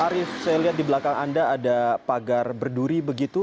arief saya lihat di belakang anda ada pagar berduri begitu